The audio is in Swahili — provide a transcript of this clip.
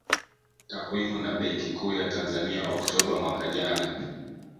Takwimu na Benki Kuu ya Tanzania Oktoba mwaka jana